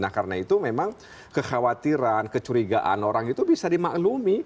nah karena itu memang kekhawatiran kecurigaan orang itu bisa dimaklumi